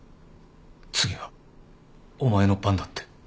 次はお前の番だって